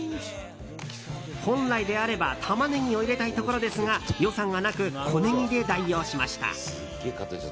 本来であればタマネギを入れたいところですが予算がなく小ネギで代用しました。